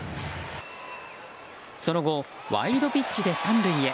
その後、ワイルドピッチで３塁へ。